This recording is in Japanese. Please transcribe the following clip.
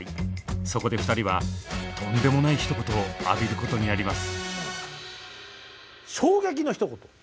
そこで２人はとんでもない一言を浴びることになります。